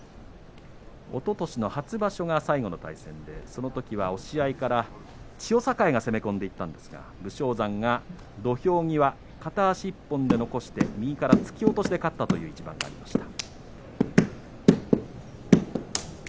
おととしの初場所最後の対戦ですねそのときは押し合いから千代栄が攻め込んでいきましたけども武将山が土俵際片足１本で残して右からの突き落としで勝ちました。